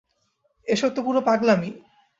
এসব তো পুরো পাগলামি।